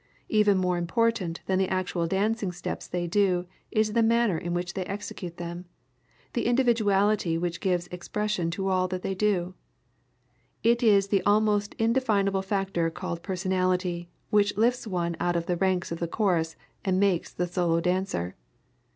Even more important than the actual dancing steps they do is the manner in which they execute them the individuality which gives expression to all that they do. It is the almost indefinable factor called personality which lifts one out of the ranks of the chorus and makes the solo dancer.